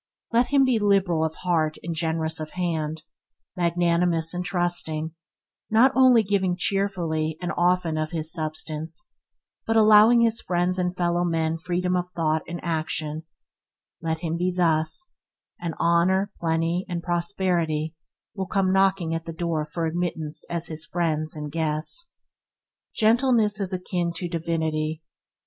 Let him be liberal of heart and generous of hand, magnanimous and trusting, not only giving cheerfully and often of his substance, but allowing his friends and fellow men freedom of thought and action – let him be thus, and honour, plenty, and prosperity will come knocking at the door for admittance as his friends and guests. Gentleness is akin to divinity.